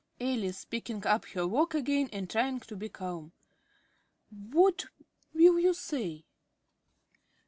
~Alice~ (picking up her work again and trying to be calm). What will you say?